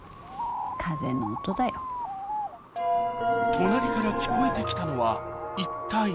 隣から聞こえてきたのは一体？